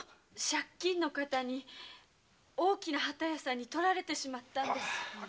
借金のカタに大きな機屋さんに取られてしまったんです。